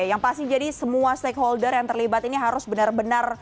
yang pasti jadi semua stakeholder yang terlibat ini harus benar benar